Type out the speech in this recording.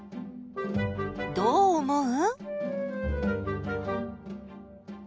どう思う？